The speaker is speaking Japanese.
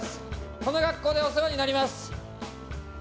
この学校でお世話になります。